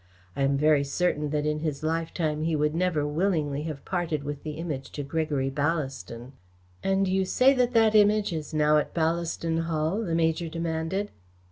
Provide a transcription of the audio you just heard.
I am very certain that in his lifetime he would never willingly have parted with the Image to Gregory Ballaston." "And you say that that Image is now at Ballaston Hall?" the Major demanded.